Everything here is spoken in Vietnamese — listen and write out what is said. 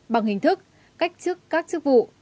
bằng hình thức cách chức các chức vụ